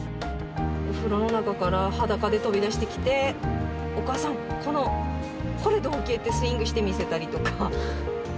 お風呂の中から裸で飛び出してきて、お母さん、この、これどうけ？ってスイングして見せたりとか。